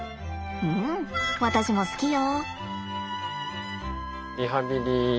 ん私も好きよ。